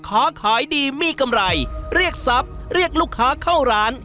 ค้าขายดีมีกำไรเรียกทรัพย์เรียกลูกค้าเข้าร้าน